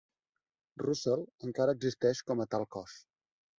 Russell encara existeix com a tal cos.